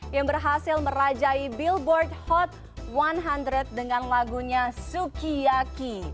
yang berhasil merajai billboard hot seratus dengan lagunya sukiyaki